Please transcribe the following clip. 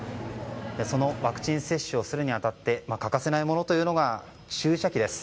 そのワクチン接種をするに当たり欠かせないものが注射器です。